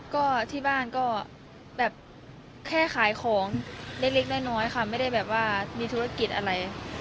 ก็ที่บ้านก็แบบแค่ขายของเล็กน้อยค่ะไม่ได้แบบว่ามีธุรกิจอะไร